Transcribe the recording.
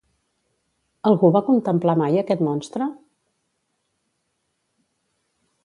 Algú va contemplar mai aquest monstre?